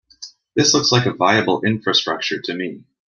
This looks like a viable infrastructure to me.